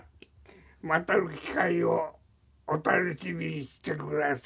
またの機会をお楽しみにしてください！